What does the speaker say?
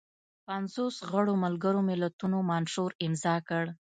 پنځوس غړو ملګرو ملتونو منشور امضا کړ.